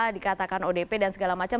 dikatakan odp dan segala macam